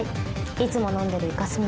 いつも飲んでるイカスミ